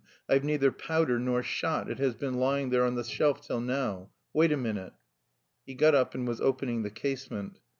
I've neither powder nor shot; it has been lying there on the shelf till now; wait a minute...." He got up and was opening the casement.